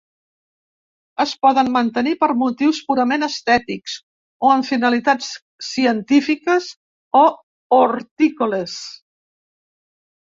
Es poden mantenir per motius purament estètics o amb finalitats científiques o hortícoles.